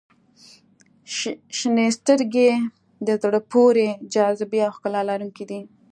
• شنې سترګې د زړه پورې جاذبې او ښکلا لرونکي دي.